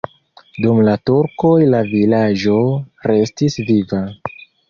Dum la turkoj la vilaĝo restis viva.